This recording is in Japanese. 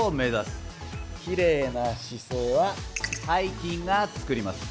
きれいな姿勢は背筋が作ります。